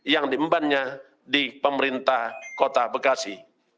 yang diembannya di pemerintah kota bekasi